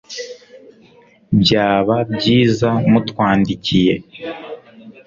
byaba byiza mutwandikiye